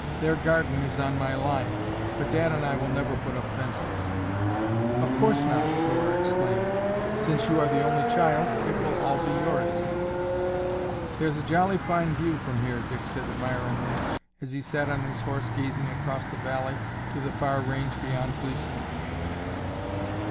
"Their garden is on my line, but Dad and I will never put up fences." "Of course not!" Dora exclaimed. "Since you are the only child, it will all be yours." "There's a jolly fine view from here," Dick said admiringly as he sat on his horse gazing across the valley to the far range beyond Gleeson.